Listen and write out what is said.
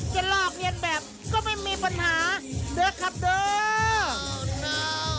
จะลอกเลี้ยนแบบก็ไม่มีปัญหาเดอะครับเดอะ